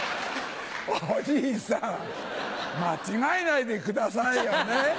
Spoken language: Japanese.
おじいさん間違えないでくださいよね。